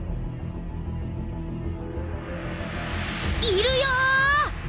いるよ！